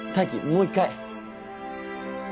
もう１回。